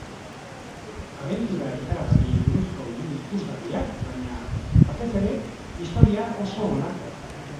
Abentura ikaragarriei buruzko irudi ikusgarriak baina, batez ere, historia oso onak.